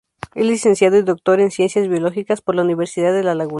Es licenciado y doctor en Ciencias Biológicas por la Universidad de La Laguna.